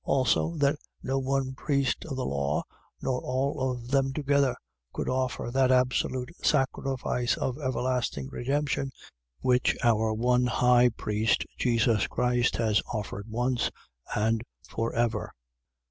Also, that no one priest of the law, nor all of them together, could offer that absolute sacrifice of everlasting redemption, which our one high priest Jesus Christ has offered once, and for ever.